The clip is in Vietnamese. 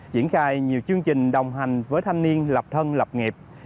triển khai nhiều chương trình đồng hành với thanh niên lập thân lập nghiệp